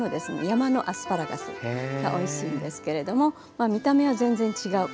山のアスパラガスがおいしいんですけれどもまあ見た目は全然違う。